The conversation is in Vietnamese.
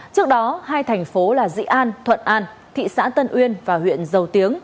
trước đó hai thành phố là dĩ an thuận an thị xã tân uyên và huyện dầu tiếng